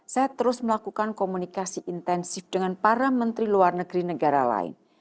saya terus melakukan komunikasi intensif dengan para menteri luar negeri negara lain